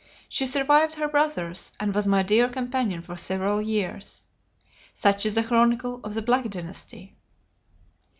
She survived her brothers, and was my dear companion for several years.... Such is the chronicle of the Black Dynasty."